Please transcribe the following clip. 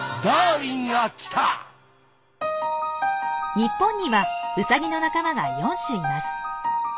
日本にはウサギの仲間が４種います。